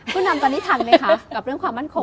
ผู้นำตอนนี้ทันไหมคะกับเรื่องความมั่นคง